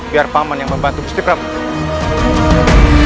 biar paman yang membantu istirahat